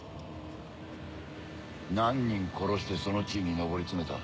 何人殺してその地位に上り詰めた？